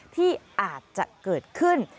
ที่อาจจะเกิดขึ้น